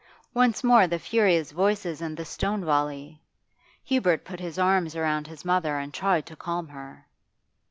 Once more the furious voices and the stone volley Hubert put his arms about his mother and tried to calm her.